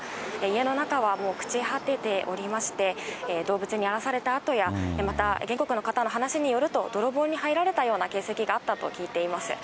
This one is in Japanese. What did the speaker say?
家の中はもう朽ち果てておりまして、動物に荒らされた跡や、また原告の方の話によると、泥棒に入られたような形跡があったと聞いています。